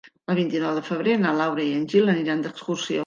El vint-i-nou de febrer na Laura i en Gil aniran d'excursió.